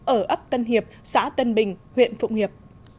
ở ấp tân hiệp xã tân bình huyện phụng hiệp